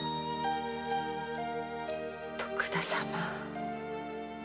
徳田様。